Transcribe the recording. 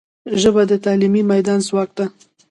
ژبه د تعلیمي میدان ځواک ده